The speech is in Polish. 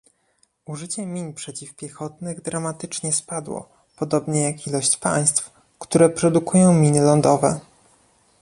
Użycie min przeciwpiechotnych dramatycznie spadło, podobnie jak ilość państw, które produkują miny lądowe